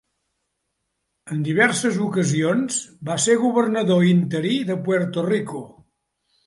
En diverses ocasions va ser Governador Interí de Puerto Rico.